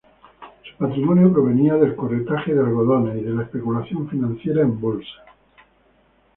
Su patrimonio provenía del corretaje de algodones y de la especulación financiera en bolsa.